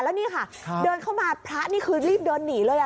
แล้วนี่ค่ะเดินเข้ามาพระนี่คือรีบเดินหนีเลย